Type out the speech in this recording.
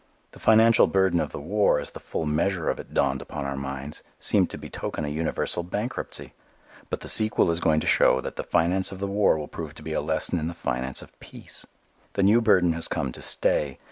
The financial burden of the war, as the full measure of it dawned upon our minds, seemed to betoken a universal bankruptcy. But the sequel is going to show that the finance of the war will prove to be a lesson in the finance of peace. The new burden has come to stay.